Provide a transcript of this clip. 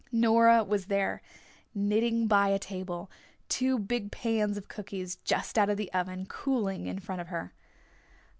Nora was there knitting by a table, two big pans of cookies just out of the oven cooling in front of her.